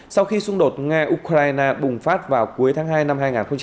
sau khi xung đột nga ukraine bùng phát vào cuối tháng hai năm hai nghìn hai mươi